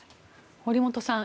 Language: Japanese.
堀本さん